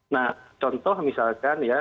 nah contoh misalkan ya